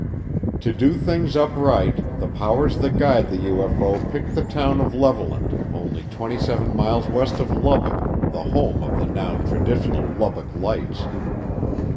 To do things up right the powers that guide the UFO picked the town of Levelland only 27 miles west of Lubbock, the home of the now traditional "Lubbock Lights."